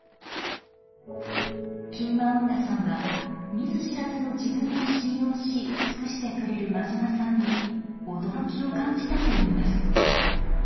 キン・マウン・ラさんは見ず知らずの自分を信用し尽くしてくれる馬島さんに驚きを感じたといいます。